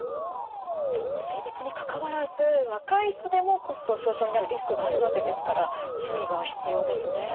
じゃあもう性別にかかわらず若い人でも骨粗しょう症になるリスクがあるわけですから注意が必要ですね。